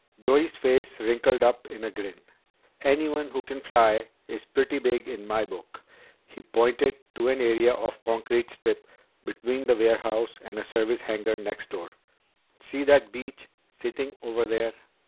Joey's face wrinkled up in a grin. "Anyone who can fly is pretty big in my book." He pointed to an area of concrete strip between the warehouse and a service hangar next door. "See that Beech sitting over there?"